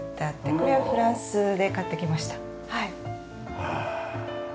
これはフランスで買ってきました。